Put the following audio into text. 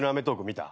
見た？